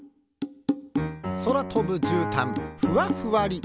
そらとぶじゅうたんふわふわり。